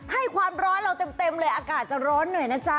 ให้ความร้อนเราเต็มเลยอากาศจะร้อนหน่อยนะจ๊ะ